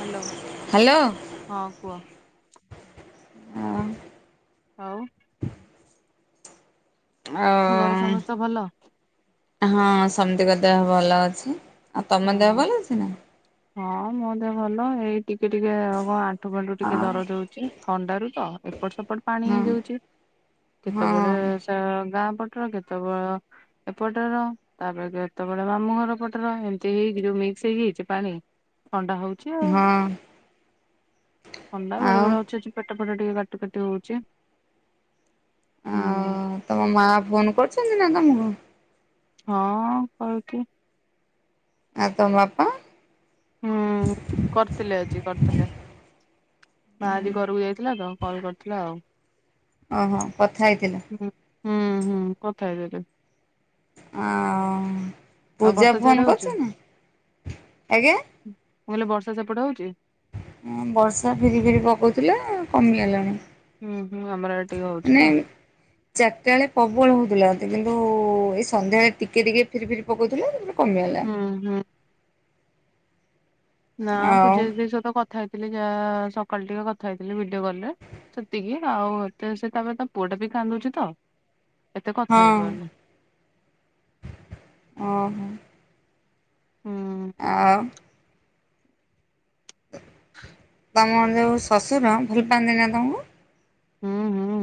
Hello hello ହଁ କୁହ। ହୁଁ। ଆଉ ଘରେ ସମସ୍ତେ ଭଲ? ଆଉ ହଁ ସମିତିଙ୍କ ଦେହ ଭଲ ଅଛି। ଆଉ ତମ ଦେହ ହୁଁ ଭଲ ଅଛି ନା। ହଁ ମୋ ଦେହ ଭଲ। ଏଇ ଟିକେ ଟିକେ କଣ ଆଣ୍ଠୁ ଫାଣ୍ଠୁ ଟିକେ ହଁ ଦରଜ ହଉଛି। ଥଣ୍ଡାରୁ ତ ଏପଟ ସେପଟ ପାଣି ହେଇଯାଉଛି। ହଁ କେତେବେଳେ [unintelligible] ଗାଁ ପଟର କେତେବେଳ ଏପଟର ତାପରେ କେତେବେଳେ ମାମୁଁ ଘର ପଟର ଏମତି। ହେଇକି ଯୋଉ ମିକ୍ସ ହେଇଯାଇଛି ପାଣି ଥଣ୍ଡା ହଉଛି। ଛି ଆଉ ହଁ ଥଣ୍ଡା ବେଳେ ଆଉ ବେଳେ ଅଛି ଅଛି। ପେଟ ଫେଟ ଟିକେ କାଟି କାଟି ହଉଛି। ଆଉ ହୁଁ। ତମ ମା ଫୋନ କରୁଛନ୍ତି ନା ତମକୁ। ହଁ କରୁଛି। ଆ ତମ ବାପା। ହୁଁ କରିଥିଲେ ଆଜି କରିଥିଲେ। ମା ଆଜି ଘରକୁ ଯାଇଥିଲା ତ କଲ୍ କରିଥିଲା ଆଉ। ଓହୋ କଥା ହେଇଥିଲା। ହଁ ହୁଁ ହୁଁ କଥା ହେଇ ଯାଇଥିଲି। ଆଉ ଆଉ ପୂଜା ବର୍ଷା ସିଆଡେ ଫୋନ ହଉଛି? କରୁଛି ନା ଆଜ୍ଞା। ମୁଁ କହିଲି ବର୍ଷା ସେପଟେ ହଉଛି। ହଁ ବର୍ଷା ଫିରି ଫିରି ପକଉଥିଲା କମିଗଲାଣି। ହୁଁ ହୁଁ ଆମର ଆଡ଼େ ଟିକେ ମାନେ ହଉଛି ଆଉ। ଚାରିଟା ବେଳେ ପ୍ରବଳ ହଉଥିଲା। କିନ୍ତୁ ଏଇ ସନ୍ଧ୍ୟାବେଳେ ଟିକେ ଟିକେ ଫିରି ଫିରି ପକଉଥିଲା। କମିଗଲା। ହୁଁ ହୁଁ। ନା ଆଉ ପୂଜା ଦିଦି ସହିତ କଥା ହେଇଥିଲି ଯାହା ସକାଳ ଟିକେ କଥା ହେଇଥିଲି ଭିଡିଓ କଲରେ। ସେତିକି ଆଉ ଏତେ ସେ ତାପରେ ତା ପୁଅଟା ବି କାନ୍ଦୁଛି ତ। ଏତେ କଥା ହଁ ହେଇପାରୁନି। ଓହୋ। ହୁଁ ଆଉ ଫାଙ୍କା ଅଡିଓ ତମର ଯଉଁ ଶ୍ୱଶୁର ଭଲ ପାଆନ୍ତି ନା ତମକୁ। ହୁଁ ହୁଁ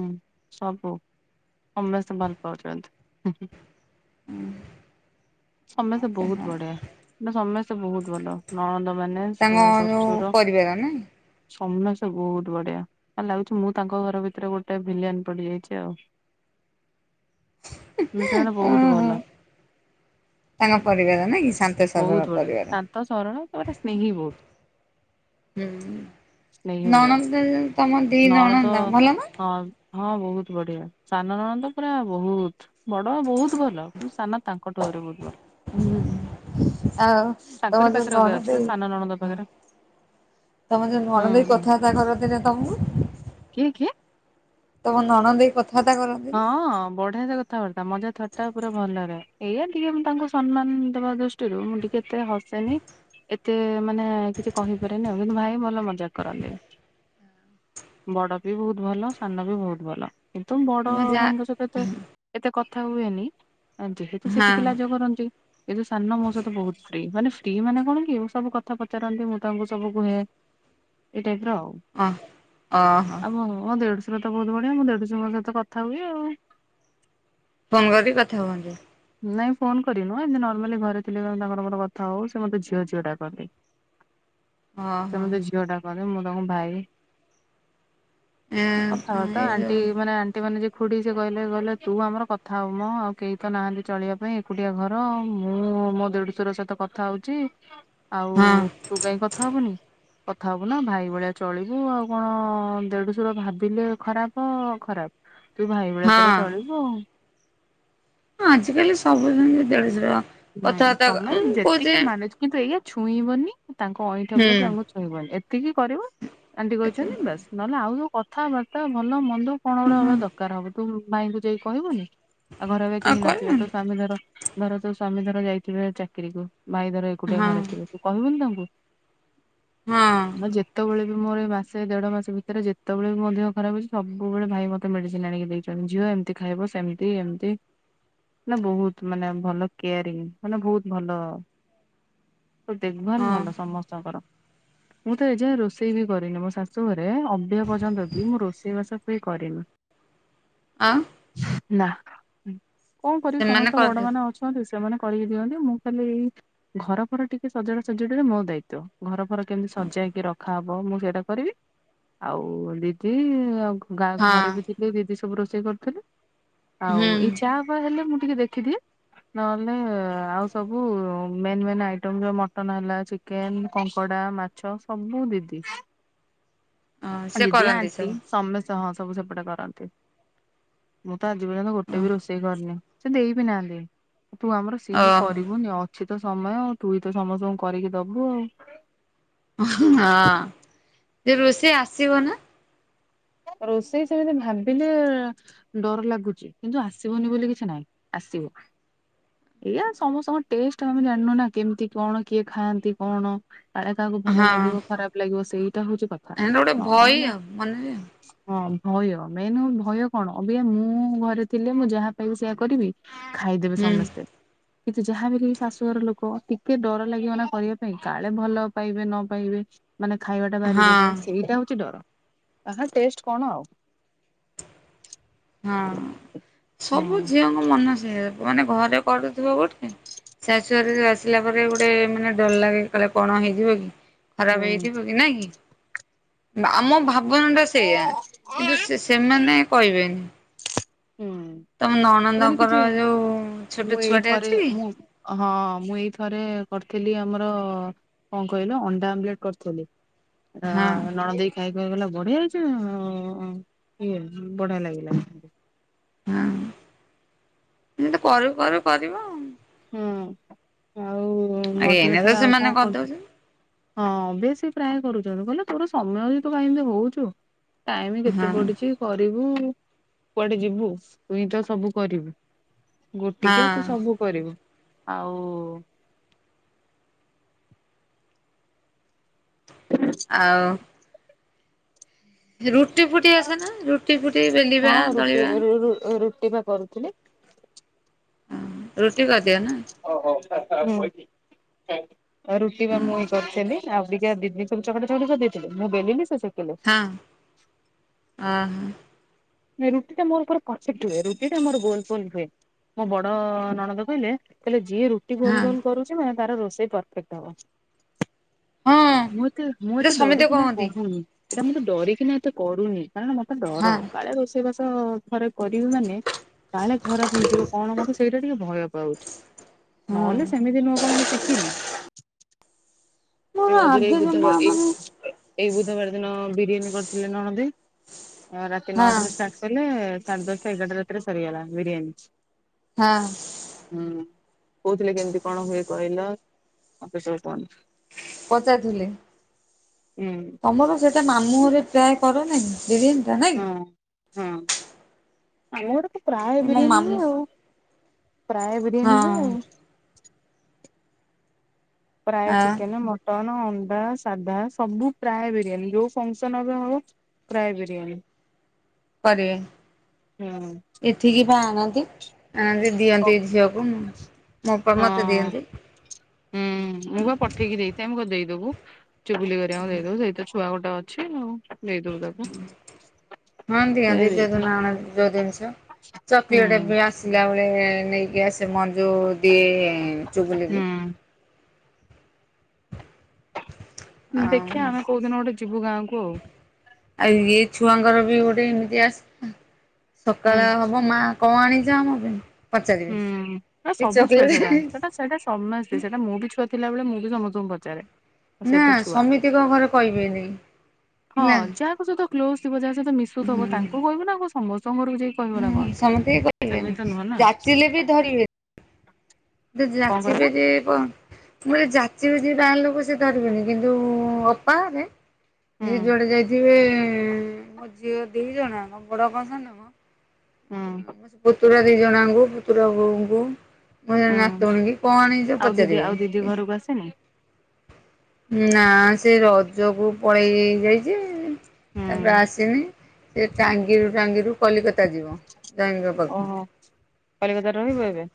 ସବୁ ସମେସ୍ତେ ଭଲ ପାଉଛନ୍ତି। ସମସ୍ତେ ବହୁତ ହଁ ବଢିଆ। ନା ସମସ୍ତେ ବହୁତ ଭଲ। ନଣନ୍ଦ ମାନେ ତାଙ୍କ ଶ ଯୋଉ ଶଶୁର ପରିବାର ନାଇଁ ସମସ୍ତେ ବହୁତ୍ ବଢିଆ ଲାଗୁଚି ମୁଁ ତାଙ୍କ ଘର ଭିତରେ ଗୋଟେ ଭିଲିୟାନ ପଡ଼ିଯାଇଚି ଆଉ। କିନ୍ତୁ ସେମାନେ ବହୁତ୍ ଓହୋ ଭଲ। ତାଙ୍କ ପରିବାର ନାଇଁକି ଶାନ୍ତ ସରଳ ବହୁତ ବଢିଆ ପରିବାର। ଶାନ୍ତ ସରଳ ତାପରେ ସ୍ନେହୀ ବହୁତ୍। ହୁଁ ସ୍ନେହୀ ପୁରା ନଣନ୍ଦ ଯଉ ତମ ଦି ନଣନ୍ଦ ଭଲନା? ହଁ। ହଁ ବହୁତ୍ ବଢ଼ିଆ ସାନ ନଣନ୍ଦ ପୁରା ବହୁତ୍ ବଡ଼ ବହୁତ୍ ଭଲ କିନ୍ତୁ ସାନ ତାଙ୍କଠୁ ତର ବହୁତ୍ ଭଲ। ହୁଁ ଆଉ ତମ ତାଙ୍କରି ଯୋଉ ପାଖରେ ଏବେ ଅଛି ବା ନଣନ୍ଦେଇ ସାନ ନଣନ୍ଦ ପାଖରେ ତମ ଯୋଉ ନଣନ୍ଦେଇ ହୁଁ କଥାବାର୍ତ୍ତା କରନ୍ତିନା ତମକୁ? କିଏ କିଏ? ତମ ନଣ ଦେଇ କଥାବାର୍ତ୍ତା କର ହଁ ଅଁ ବ କଥାବାର୍ତ୍ତା ମଜା ଥଟ୍ଟା ପୁରା ଭଲରେ ଏଇଆ ଟିକେ ମୁଁ ତାଙ୍କୁ ସମ୍ମାନ ଦେବା ଦୃ ଷ୍ଟିରୁ ମୁଁ ଟିକେ ଏତେ ହସେନି ଏତେ ମାନେ କିଛି କହିପାରେନି ଆଉ। କିନ୍ତୁ ଭାଇ ଭଲ ମଜାକ୍ କରନ୍ତି। ବଡ଼ବି ବହୁତ୍ ଭଲ ସାନବି ବହୁତ୍ ଭଲ କିନ୍ତୁ ବ ଡ଼ ମୁଁ ଯା ଭାଇଙ୍କ ସହିତ ଏତେ କଥା ହୁଏନି ଯେହେତୁ ସିଏ ହଁ ଟିକେ ଲାଜ କରନ୍ତି। କିନ୍ତୁ ସାନ ମୋସହିତ ବହୁତ୍ ଫ୍ରି ମାନେ ଫ୍ରି ମାନେ କଣକି ସେସବୁ କଥା ପଚାରନ୍ତି ମୁଁ ତାଙ୍କୁ ସବୁ କୁହେ। ଏଇ ଟାଇପ୍ର ଆଉ। ହଁ ଅଁ ହୋ। ହଁ ମୋ ଦେଢଶୁରତ ବହୁତ୍ ବଢ଼ିଆ ମୁଁ ଦେଢଶୁରଙ୍କ ସହିତ କଥା ହୁଏ ଆଉ। ଫୋନ୍ କରିକି କଥା ହୁଅନ୍ତି? ନାଇଁ ଫୋନ୍ କରି ନୁହଁ ଏମିତି ନର୍ମାଲି ଘରେ ଥିଲେ ତାଙ୍କର ମୋର କଥା ହଉ ସେମତେ ଝିଅ ଝିଅ ଡାକନ୍ତି। ସେ ଓହୋ ମତେ ଝିଅ ଡାକନ୍ତି ମୁଁ ତାଙ୍କୁ ଭାଇ କଥାବାର୍ତ୍ତା ଏଇ ଆଣ୍ଟି ଯୋଉ ମାନେ ଆ ଆଣ୍ଟି ମାନେ ଯିଏ ଖୁଡ଼ି ସେକହିଲେ କହିଲେ ତୁ ଆମର କଥା ହବୁ ମଁ ଆଉ କେହିତ ନାହାନ୍ତି ଚଳିବା ପାଇଁ ଏକୁଟିଆ ଘର ମୁଁ ମୋ ଦେଢଶୁର ସହିତ କଥା ହଉଚି ଆଉ ହଁ ତୁ କାଇଁ କଥା ହବୁନି। କଥା ହବୁନା ଭାଇ ଭଳିଆ ଚଳିବୁ ଆଉ କଣ ଦେଢଶୁର ଭାବିଲେ ଖରାପ ଖରାପ୍। ତୁ ଭାଇ ଭଳିଆ ତୋର ହଁ। ଚଳିବୁ ଆଉ। ହଁ ଆଜିକାଲି ସବୁ ସେମିତି ଦେଢଶୁର ନାଇଁ ତମେ ଯେତିକି ମାନେଜ୍ କିନ୍ତୁ ଏଇଆ ଛୁଇଁବନି ତାଙ୍କ ଅଇଁଠା ପ୍ଲେଟ୍ ହୁଁ। ତାଙ୍କୁ ଛୁଇଁବନି ଏତିକି କରିବ ଆଣ୍ଟି କହିଛନ୍ତି ବାସ୍ ନହେଲେ ଆଉ ସବୁ କଥାବାର୍ତ୍ତା ଭଲ ମନ୍ଦ କଣ ଗୋଟେ ହବା ଦରକାର ହବ ତୁ ଭାଇଙ୍କୁ ଯାଇକି କହିବୁନି ଆଉ ଘରେ ଏବେ କେହି ନଥିବେ ତୋସ୍ଵାମୀ ଧର ଧର ସ୍ଵାମୀ ଧର ଯାଇଥିବେ ଚାକିରିକୁ ଭାଇ ଧର ଏକୁଟିଆ ଘରେ ହଁ ଥିବେ ତୁକହିବୁନି ତାଙ୍କୁ? ହଁ ନା ଯେ ଯେତେବେଳେବି ମୋର ଏମାସେ ଦେଢ଼ ମାସେ ଭିତରେ ଯେତେବେଳେବି ମୋ ଦେହ ଖରାପ୍ ହେଇଚି ସବୁବେଳେ ଭାଇ ମୋତେ ମେଡ଼ିସିନ୍ ଆଣିକି ଦେଇଚ ଝିଅ ଏମତି ଖାଇବ ସେମତି ଏମିତି ମାନେ ବହୁତ୍ ମାନେ ଭଲ କେୟାରିଙ୍ଗ ମାନେ ବହୁତ୍ ଭଲ ଦେଖ ଭାଲ୍ ହଁ ଭଲ ସମସ୍ତଙ୍କର। ମୁଁ ତ ଏଯାଏ ରୋଷେଇବି କରିନି ମୋ ଶାଶୁ ଘରେ ଅବ୍ୟାହ ପର୍ଯ୍ୟନ୍ତବି ମୁଁ ରୋଷେଇ ବାସ ମୁଁ ବି କରେନି। ଆଁ? ନାଁ ହୁଁ କଣ କରିବି ସେମାନେ ସମସ୍ତେ ବଡ କରିଦଉ ମାନେ ଅଛ ନ୍ତି ସେମାନେ କରିକି ଦିଅନ୍ତି ମୁଁ ଖାଲି ଏଇ ଘର ଫର ଟିକେ ସଜଡା ସଜଡିରେ ମୋ ଦାୟିତ୍ଵ। ଘର ଫର କେମିତି ସଜେଇକି ରଖାହବ ମୁଁ ସେଇଟା କରିବି। ଆଉ ଦିଦି ଆ ଗାଁ ହଁ ଘରେ ବି ଥିଲେ ଦିଦି ସବୁ ରୋଷେଇ କରୁଥିଲେ ହୁଁ ଆଉ ଏଇ ଚା ହା ଫାସହେଲେ ମୁଁ ଟିକେ ଦେଖିଦିଏ। ନହେଲେ ଆଉ ସବୁ ମେନ୍ ମେନ୍ ଆଇଟମ୍ ଯୋଉ ମଟନ୍ ହେଲା ଚିକେନ, କଙ୍କଡା ମା ଛ ସବୁ ଦିଦି। ସେ ଦିଦି କରନ୍ତି ଆଣ୍ଟିି ସବୁ। ସମ ହଁ ସବୁ ସେପଟେ କରନ୍ତି। ମୁଁ ତ ଆଜି ପର୍ଯ୍ୟନ୍ତ ଗୋଟେ ବି ରୋଷେଇ କରିନି। ସେ ଦେଇ ବିି ନାହାନ୍ତି। ତୁ ଆମର ସେଇ ଓହୋ ହଁ କରିବୁନି ଅ କିଛି ତ ସମୟ ଆଉ ତୁଇ ତ ସମସ୍ତଙ୍କୁ କରିକି ଦୋବୁ ଆଉ। ହଁ ରୋଷେଇ ଆସିବ ନା? ରୋଷେଇ ସେମିତି ଭାବିଲେ ଡର ଲାଗୁଚି କିନ୍ତୁ ଆସିବନି ବୋଲି କିଛି ନାଇଁ ଆସିବ। ଏଇଆ ସମସ୍ତଙ୍କ ଟେଷ୍ଟ ଆମେ ଜାଣିନୁ ନା କେମିତି କଣ କିଏ ଖାଆନ୍ତି କଣ। କାଳେ କାହାକୁ ଭଲ ଲାଗିବ ଖରାପ ଲାଗିବ ସେଇଟା ହୋଉଚି କ ତା ମାନେ ଗୋଟେ ଭଇ ଆଉ ମନେରେ ଆଉ। ହଁ ଭୟ ମେନ୍ ହୋଉ ଭୟ କଣ ଅବିକା ମୁଁ ଘରେ ଥିଲେ ମୁଁ ଯାହା ପାଇବି ସେୟଆ କରିବି। ଖାଇଦେବେ ହୁଁ ସମସ୍ତେ। କିନ୍ତୁ ଯାହା ବି କେହି ଶାଶୁଘର ଲୋକ ଟିକେ ଡର ଲାଗିବ ନା କରିବା ପାଇଁ କାଳେ ଭଲ ପାଇବେ ନ ପାଇବେ। ମାନେ ଖାଇବାଟା ବାରିଦେବେ ହଁ। ସେଇଟା ହୋଉଚି ଡର ଆହା ଟେଷ୍ଟ କଣ ଆଉ। ହଁ ସବୁ ହୁଁ। ଝିଅଙ୍କ ମନ ସେଇୟା ମାନେ ଘରେ କଡୁଥିବ ଗୋଟେ ଶାଶୁଘରରୁ ଆସିଲାପରେ ଗୋଟେ ମାନେ ଡର ଲାଗେ କାଳେ କଣ ହେଇଯିବ କି। ଖରାପ ହେଇଥିବ କି ନାଁ କି ଆମ ଭାବନାଟା ସେଇୟା କିନ୍ତୁ ସେ ସେମାନେ କହିବେନି। ହୁଁ ତମ ସେମାନେ ନଣନ୍ଦଙ୍କର କିଛି ଯୋଉ ଛୋଟ ମୁଁ ଛୁଆଟେ ଏଇଥରେ ଅଛି କି? ମୁଁ ହଁ ମୁଁ ଏଇଥରେ କରିଥିଲି ଆମର କଣ କହିଲ ଅଣ୍ଡା ଆମଲେଟ୍ କରିଥିଲି। ହଁ ଅଁ ନଣଦେଇ ଖାଇ ଖୁଆକି କହିଲା ବଢିଆ ହେଇଚି ଉଁ ଇଏ ବଢିଆ ଲାଗିଲା। ହୁଁ ଏମିତି କରୁ କରୁ କରିବ ଆଉ। ହୁଁ ଆଉ ମଝିରେ ଏଇନା ତ ଥରେ ଆଉ ସେମାନେ କଣ କ [unintelligible] କରିଦଉଛନ୍ତି। ହଁ ଅଭ୍ୟାସି ପ୍ରାୟ କରୁଚନ୍ତି କହିଲେ ତୋର ସମୟ ବି ତୁ କାଇଁ ଏମିତି ହୋଉଚୁ। ଟାଇମ କେତେ ହଁ ପଡିଚି କରିବୁ କୁଆଡେ ଯିବୁ ତୁଇଁ ତ ସବୁ କରିବୁ। ଗୋଟିକିଆ ତୁ ହଁ ସବୁ କରିବୁ ଆଉ ଆଉ ରୁଟି ଫୁଟି ଆସେ ନା ରୁଟି ଫୁଟି ବେଲିବା ଦଳିବା। ରୁ-ରୁଟି ବା କରୁ ଥିଲି। ହଁ ରୁଟି କରିଦିଅ ନା। ହୁଁ‌। ଏ ରୁଟି ବା ହଁ। ମୁଁ ଏଇ କରିଥିଲି ଆଉ ଟିକେ ଦିିଦି ସବୁ ଚକଟା ଚକଟି କରିଦେଇଥିଲି। ମୁଁ ବେଲିିଲି ସେ ସେ ହଁ ଅଁ ହଁ। ନାଇଁ ରୁଟିଟା ମୋର ପରଫେକ୍ଟ ହୁଏ। ରୁଟିଟା ମୋର ଗୋଲ ଫୋଲ ହୁଏ। ମୋ ବଡ ନଣଦ କହିଲେ କହିଲେ ଯିଏ ରୁ ଟି ଗୋଲ ହଁ ଗୋଲ କରୁଛି ମାନେ ତାର ରୋଷେଇ ପରଫେକ୍ଟ ହବ। ହଁ ମୁଁ ଏତେ ମୁଁ ଏଇଟା ଏତେ ସମିତେ ଡରିକିନା କହନ୍ତି। କହୁନି ଏଇଟା ମୁଁ ତ ଡରିକିନା ଏତେ କରୁନି। କାରଣ ମତେ ଡର ହଁ କାଳେ ରୋସେଇ ବାସ ଅ ଘରେ କରିବି ମାନେ କାଳେ ଖରାପ ହେଇଯିବ କଣ ମୋତେ ସେଇଟା ଟିକେ ଭୟ ପାଉଛି। ହଁ ନହେଲେ ସେମିତି ନୁହଁ କଣ ମୁଁ ଶିଖିନି। ମୋର ଏ ମଝିରେ ଆଗେ ଏଇ ଜମା ବୁଧବାର ଏ ମାନେ ଏଇ ବୁଧବାର ଦିନ ବିରିୟାନୀ କରିଥିଲେ ନଣଦେଇ ଅ ରାତି ହଁ ନଅଟାରେ ଷ୍ଟା [inaudible] ସାଢେ ଦଶାଟା ଏଗାରଟା ରାତିରେ ସରିଗଲା ବିରିୟାନୀ ହଁ। ହୁଁ କହୁଥିଲେ କେମତି କଣ ହୁଏ କହିଲ [inaudible] ପଚାରଥିଲି ହୁଁ ତମର ସେଟା ହଁ। ମାମୁହରେ ପ୍ରାୟ କରନିକି ବିରିୟାନି। ନା ନାଇଁ ହଁ ଆମ ଘରେ ତ କି ପ୍ରାୟ ମୋ ବିରିୟାନି ମାମୁଁ ହୁ ଆଉ। ପ୍ରାୟ ବିରିୟାନୀ ବି ହଁ ଆଉ। ପ୍ରାଏ ଆ ଚିକେନ, ମ ମଟନ ଅଣ୍ଡା ସାଧା ସବୁ ପ୍ରାୟ ବିରିୟାନୀ ଯୋଉ ଫଙ୍କସନ ଏବେ ହବ ପ୍ରାଏ ବିରିୟାନୀ କରିବେ ହୁଁ ଏଠିକି ପା ଆଣନ୍ତି ଆଣତି ଭ ହଁ ଦିଅନ୍ତି ଝିଅକୁ ମୁଁ ମୋ ଅପା ମତେ ଦିଅନ୍ତି। ହୁଁ ମୁଁ ବା ପଠେଇକି ଦେଇଥାଏ ମୁ କହିବି ଦେଇଦବୁ। ଚୁଗୁଲୀ ହେରିକା ଙ୍କୁ ଦେଇଦବୁ ସେଇ ତ ଛୁଆ ଗୋଟେ ଅଛି ଆଉ ଦେଇଦବୁ ତାକୁ। ହଁ ପ୍ରାୟ ଦିଅନ୍ତି ଦେଇଥାଏ ଯୋଉଦିନଆଣନ୍ତି ଯୋଉ ଜିନିଷ। ହୁଁ ଚକଲେଟ ବି ଆସ ଆସିଲାବେଳେ ନେଇକି ଆସେ ମଞ୍ଜୁ ଦିଏ ଚୁଗୁଲିକି। ହୁଁ ଆଉ ଦେଖିଆ ଆମେ କୋଉ ଦିନ ଗୋଟେ ଯିବୁ ଗାଁକୁ ଆଉ। ଆଉ ଇଏ ଛୁଆଙ୍କର ବି ଗୋଟେ ଏମିତିଆ ଆସ, ହୁଁ ସକାଳ ହବ ମା କଁ ଆଣିଚ ଆମ ପାଇଁ? ପଚାରିବେ ହୁଁ ଆ ଏ ସବୁ ଛୁଆ ସେଟା ଚକୋଲେଟ ସେଟା ହେଇଟା ସମେସ୍ତେ। ସେଇଟା ମୁଁ ବି ଛୁଆ ଥିଲାବେଳେ ମୁଁ ବି ସମସ୍ତଙ୍କୁ ପଚାରେ। ସେ ନା ତ ଛୁଆ ସମିତିଙ୍କ ଘରେ କହିବେନି, ନା। ଙ୍କ ସହିତ କ୍ଲୋଜ ଥିବ ଯାହା ସହିତ ମିଶୁଥବ ତାଙ୍କୁ କହିବୁ ନା ଆଉ କଁ ସମସ୍ତଙ୍କ ଘର ଯାଇକି କହିବ ନା ହୁଁ କଣ, ସେମିତି ନୁହଁ ନା। ଥିଲେ ବି ଧରିବେ। ଯଦି କଣ ଯାଚିବେ କହିଲ? ଯେ ବ [unintelligible] ଇଏ ହୁଁ ଜୁଆଡେ ଯାଇଥିବେ ମୋ ଝିଅ ଦି ଜଣ ବଡ କଣ ସାନ କଣ ମୋ ସେ ପୁତୁରା ଦି ଜଣ ଜାଙ୍କୁ ପୁତୁରା ବୋହୁଙ୍କୁ ମୁଁ ଜଣେ ନାକ କି କଣ ଆଣଛ ପଚାରିବେନି। ରୋଗ ଆସନି। ହୁଁ ନା ସେ ରଜକୁ ପଳେଇ ଯେ ଯାଇଚି ତାପରେ ଆସିନି। ସେ ଟାଙ୍ଗିରୁ ଟାଙ୍ଗିରୁ କଲିକତା ଯିବ। ଜୋଇଁଙ୍କ ପାଖକୁ। ଓହୋ କଲିକତାରେ ରହିବ ଏବେ?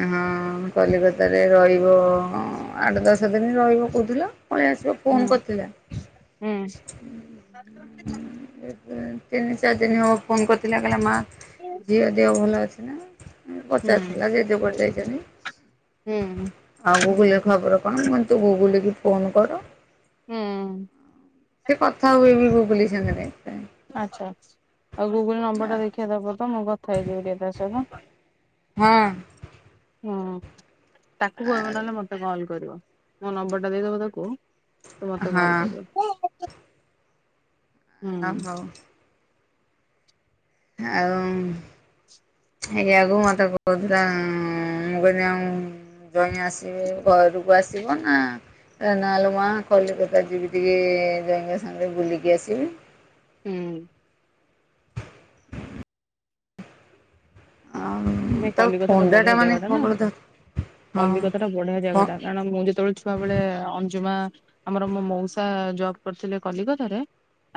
ଏଁ ହଁ, କଲିକତାରେ ରହିବ ଆଠ, ଦଶ ଦିନି ରହିବ କହୁଥିଲା। ପଳେ ଆସିବ ହୁଁ ଫୋନ୍ କରିଥିଲା। ହୁଁ ହୁଁ ଏବେ ତିନି ଚାରି ଦିନ ହ ଫୋନ୍ କରିଥିଲା କହିଲା ମା ଝିଅ ଦେହ ଭଲ ଅଛି। ହୁଁ ପଚାରୁଥିଲା ଜେଜେ କୁଆଡେ ହୁଁ ଯାଇଛନ୍ତି? ଆଉ ଗୁଗୁଲିର ଖବର କଣ? ମୁଁ କହଲି ତୁ ଗୁଗୁଲି କି ଫୋନ୍ କର। ହୁଁ। ସେ କଥା ହୁଏ ବି ଗୁବୁଲି ସାଙ୍ଗରେ। ଆଚ୍ଛା ଆଚ୍ଛା ଆଉ ଗୁଗୁଲ ନମ୍ବରଟା ଦେଖିବା ଦବ ତ ମୁଁ କଥା ହେଇଯିବି ଟିକେ ତା ସହିତ। ହଁ। ହୁଁ ତାକୁ କହିବ ନହେଲେ ମତେ କଲ୍ କରିବ। ମୋ ନମ୍ବର ଟା ଦେଇଦବ ତାକୁ। ତୁ ମତେ ହଁ। କଲ କରିବ। ହୁଁ। ଆ ହଉ। ଆଉ ଆଜ୍ଞାଗକୁ ମତେ କହୁଥିଲା ମୁଁ କହିଲି ଆଉ ଜଇଁ ଆସିବେ ଘରକୁ ଆସିବ ନା ନାଲୋ ମା କଲିକତା ଯିବି ଟିକେ ଜଇଁ ସାଙ୍ଗରେ ବୁଲିକି ଆସିବି। ହୁଁ। ଆଉ ନାଇଁ ତାକୁ କଲିକତା ଟା ବଢିଆ ଥଣ୍ଡାଟା ଜାଗା ମାନେ ଟା ନା [unintelligible] ହଁ। କଲିକତା ଟା ବଢିଆ ହଁ ଜାଗାଟା କାରଣ ମୁଁ ଯେତେବେଳେ ଛୁଆବେଳେ ଅଞ୍ଜୁମା ଆମର ମୋ ମଉସା ଜବ୍ କରିଥିଲେ କଲିକତାରେ।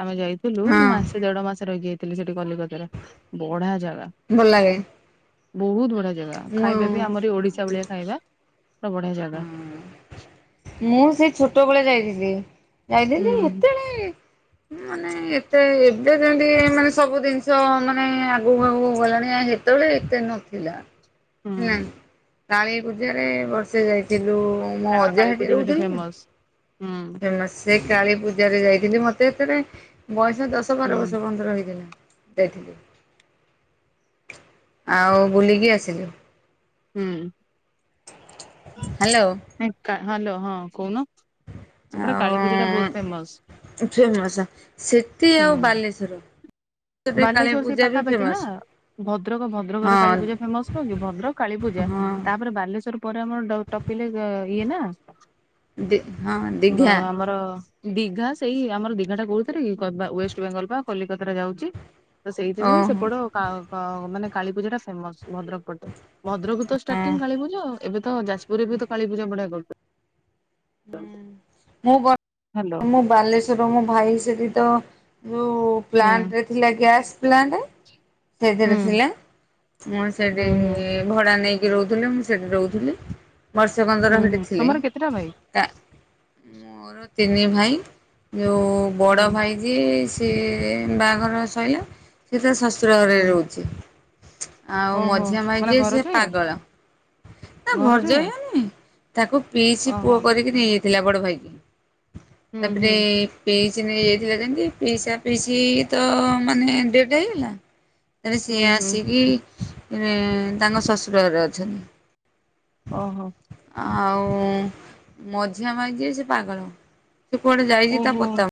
ଆମେ ଯାଇ ଥିଲୁ ମାସେ ହଁ ଦେଢମାସେ ରଇକି ଆଇଥିଲି ସେଠି କଲିକତାର ବଢିଆ ଜାଗା। ଭଲ ଲାଗେ। ବୋହୁତ ବଢିଆ ଜାଗା। ଖାଇବା ବି ମୁଁ ଆମର ଏ ଓଡିଶା ଭଳିଆ ଖାଇବା ପୁରା ବଢିଆ ଜାଗା। ମୁଁ ସେ ଛୋଟବେଳେ ଯାଇଥିଲି ହୁଁ ଯାଇଥିଲି। ଏତେ କାଇଁ ମାନେ ଏତେ ଏବେ କାଇଁ ଟିକେ ମାନେ ସବୁ ଦିନିଷ ମାନେ ଆଗୁକୁ ଆଗୁକୁ ଗଲାଣି ହାରି। ସେତେବେଳେ ଏତେ ନଥିଲା। ହୁଁ କାଳୀପୂଜାରେ ବର୍ଷେ ଯାଇଥିଲୁ। ମୁଁ ତାଙ୍କର ଅଜା କାଳୀ ହେଟି ପୂଜା ସେଠି ରହୁଥିଲେ ନା ଫେମସ୍ ହୁଁ। ଫେମସ୍। ଯେ କାଳୀପୂଜାରେ ଯାଇଥିଲି। ମତେ ଏତେବେଳେ ବୟସ ଦଶ ବାର ହୁଁ ବର୍ଷ କନ୍ତର ହେଇଥିଲା। ଯାଇଥିଲୁ ଆଉ ବୁଲିକି ଆସିଲୁ। ହୁଁ। ହାଲୋ। ଏ କା ହାଲୋ ହଁ କହୁନ। ସେପଟେ କାଳୀପୂଜାଟା ଆଉ ବୋହୁତ ଫେମସ୍। ଫେମସ ସେଠି ଆଉ ବାଲେଶ୍ଵର। କାଳୀ ବାଲେଶ୍ୱର ସେଇ ପୂଜା ବି ପାଖାପଖି ନା। ଫେମସ। ଭଦ୍ରକ ଭଦ୍ରକରେ ହଁ କାଳୀପୂଜା ଫେମସ୍ ନୁହଁ କି। ଭଦ୍ରକ କାଳୀପୂଜା ହଁ ତାପରେ ବାଲେଶ୍ଵର ପରେ ଆମର ଡ ଟପିଲେ ଗା ଇଏ ନା। ଦି ହଁ ଉଁ ଆ ଦୀଘା ଆମର ଦିଘା ସେଇ ଆମର ଦିଘାଟା କୋଉଥେରେ କି କ ବା ୱେଷ୍ଟବେଙ୍ଗଲ ପା କଲିକତାରେ ଯାଉଚି। ତ ସେଇଥିପାଇଁ ଓହୋ ସେପଟ କା ପା ମାନେ କାଳୀପୂଜାଟା ଫେମସ୍ ଭଦ୍ରକ ପଟେ। ଭଦ୍ରକରୁ ତ ହଁ ଷ୍ଟାଟିଂ କାଳୀପୂଜା ଆଉ। ଏବେ ତ ଯାଜପୁରରେ ବି ତ କାଳୀପୂଜା ବଢିଆ କରୁ ହୁଁ ମୁଁ ଗ ହ୍ୟାଲୋ ମୁଁ ବାଲେଶ୍ଵର ମୋ ଭାଇ ସେଠି ତ ଯୋଉ ହୁଁ ପ୍ଲାଣ୍ଟରେ ଥିଲା ଗ୍ୟାସ୍ ପ୍ଲାଣ୍ଟ। ହୁଁ ସେଇଥିରେ ଥିଲା। ମୁଁ ହୁଁ ସେଠି ହୁଁ ଭଡା ନେଇକି ରହୁଥିଲେ। ମୁଁ ସେଇଠି ରହୁଥିଲି। ବର୍ଷେ କଣ? ହୁଁ ହୁଁ ତମର କେତେଟା ଭାଇ? କା ମୋର ତିନି ଭାଇ। ଯୋଉ ହୁଁ ବଡ ଭାଇ ଯିଏ ସିଏ ବାଆଘର ସଇଲା। ସିଏ ତା ଶଶୁର ଘରେ ହୁଁ ରହୁଚି। ଆଉ ଓହୋ ମଝିଆଁ ଭାଇ ମାନେ ଯିଏ ଘର ସିଏ ଯଏ ପାଗଳ ନା ଘର ଯଏ ଘରଜୋଇଁଆ ନୁଏଁ। ତାକୁ ପିଇସି ଓହୋ। ପୁଅ କରିକି ନେଇ ଯାଇଥିଲା ବଡ ଭାଇକି ହୁଁ ତାପରେ ହୁଁ ପିଇସି ନେଇ ଯାଇଥିଲା ଯେନ୍ତି ପିଇସା ପିଇସି ତ ମାନେ ଡେଡଥ୍ ହେଇଗଲା ତାପରେ ହୁଁ ସିଏ ହୁଁ ଆସିକି ଉଁ ତାଙ୍କ ଶଶୁର ଘରେ ଅଛନ୍ତି। ଓହୋ। ଆଉଁ ମଝିଆଁ ଭାଇ ଯିଏ ସିଏ ପାଗଳ। ସିଏ କୁଆଡେ ଯାଇଚି ତା ଓହୋ ପତା